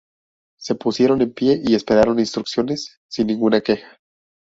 Se pusieron en pie y esperaron instrucciones, sin ninguna queja.